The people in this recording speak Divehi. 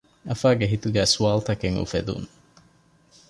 އަފާގެ ހިތުގައި ސްވާލުތަކެއް އުފެދުން